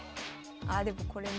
あでもこれな。